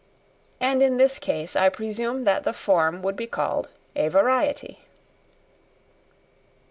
And in this case I presume that the form would be called a variety.